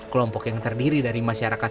kelompok yang terdiri dari masyarakat